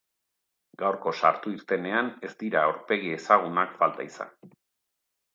Gaurko sartu-irtenean ez dira aurpegi ezagunak falta izan.